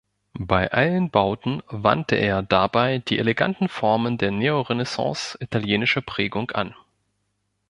Bei allen Bauten wandte er dabei die eleganten Formen der Neorenaissance italienischer Prägung an.